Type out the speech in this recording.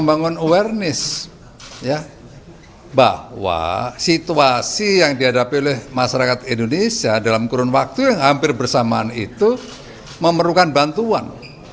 membangun awareness ya bahwa situasi yang dihadapi oleh masyarakat indonesia dalam kurun waktu yang hampir bersamaan itu memerlukan bantuan